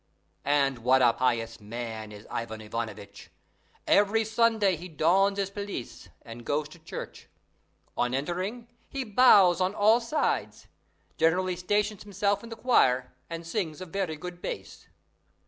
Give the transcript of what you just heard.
And what a pious man is Ivan Ivanovitch! Every Sunday he dons his pelisse and goes to church. On entering, he bows on all sides, generally stations himself in the choir, and sings a very good bass.